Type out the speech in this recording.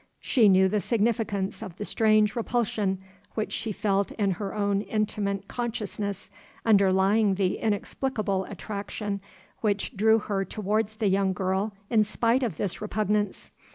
She knew the significance of the strange repulsion which she felt in her own intimate consciousness underlying the inexplicable attraction which drew her towards the young girl in spite of this repugnance.